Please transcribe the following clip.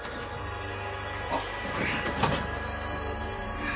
あっ！